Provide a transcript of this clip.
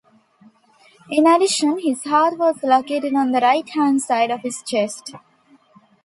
In addition, his heart was located on the right-hand side of his chest.